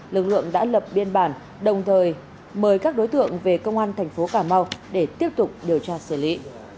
lực lượng đã lập biên bản đồng thời mời các đối tượng về công an thành phố cà mau để tiếp tục điều tra xử lý